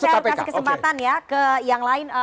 saya kasih kesempatan ya ke yang lain